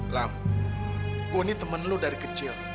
lah gue ini temen lu dari kecil